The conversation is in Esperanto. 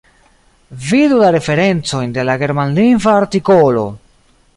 Vidu la referencojn de la germanlingva artikolo!